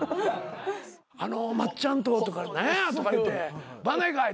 あの松ちゃんととか何やとか言うて伴内かい。